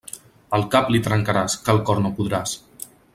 El cap li trencaràs, que el cor no podràs.